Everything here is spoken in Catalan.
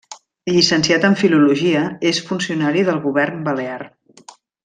Llicenciat en Filologia, és funcionari del Govern Balear.